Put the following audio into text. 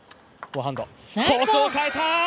コースを変えた！